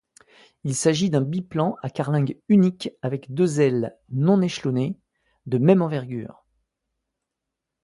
Il s'agit d'un biplan à carlingue unique avec deux ailes non-échelonnées, de même envergure.